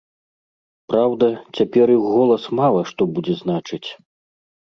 Праўда, цяпер іх голас мала што будзе значыць.